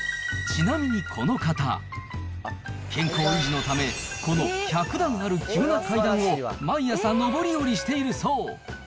ちなみにこの方、健康維持のため、この１００段ある急な階段を毎朝、上り下りしているそう。